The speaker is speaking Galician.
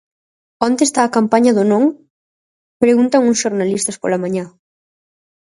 Onte está a campaña do non?, preguntan uns xornalistas pola mañá.